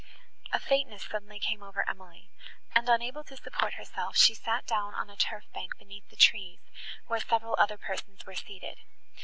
A faintness suddenly came over Emily, and, unable to support herself, she sat down on a turf bank beneath the trees, where several other persons were seated.